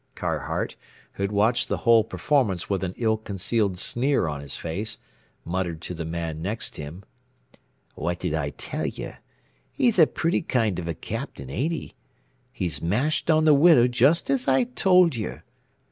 Carhart, who had watched the whole performance with an ill concealed sneer on his face, muttered to the man next him: "What did I tell you? He's a pretty kind of a Captain, ain't he? He's mashed on the widow just as I told you.